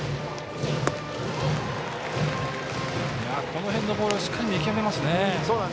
この辺のボールしっかり見極めますね。